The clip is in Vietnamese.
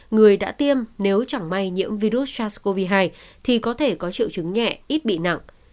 người đã tiêm nếu chẳng may nhiễm virus sars cov hai thì có thể có triệu chứng nhẹ ít bị nặng